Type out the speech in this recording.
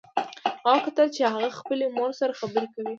ما وکتل چې هغه خپلې مور سره خبرې کوي